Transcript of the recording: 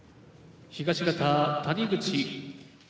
東方谷口。